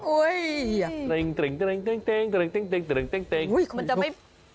โอ้ยเฮ้ย